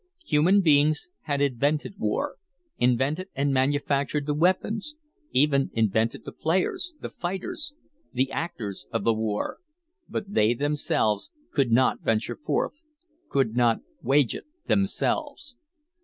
Human beings had invented war, invented and manufactured the weapons, even invented the players, the fighters, the actors of the war. But they themselves could not venture forth, could not wage it themselves.